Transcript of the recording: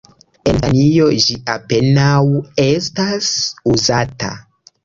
En Danio ĝi apenaŭ estas uzata.